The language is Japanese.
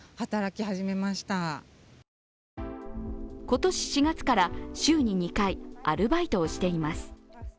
今年４月から週に２回、アルバイトをしています。